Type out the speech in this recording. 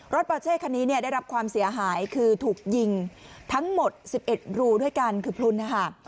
ปาเช่คันนี้ได้รับความเสียหายคือถูกยิงทั้งหมด๑๑รูด้วยกันคือพลุนนะคะ